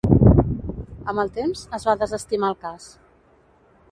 Amb el temps, es va desestimar el cas.